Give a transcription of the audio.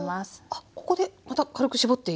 あっここでまた軽く絞っていいわけですか？